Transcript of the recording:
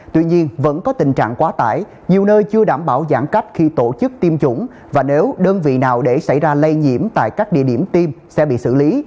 tuy nhiên vẫn có tình trạng quá tải nhiều nơi chưa đảm bảo giãn cách khi tổ chức tiêm chủng và nếu đơn vị nào để xảy ra lây nhiễm tại các địa điểm tiêm sẽ bị xử lý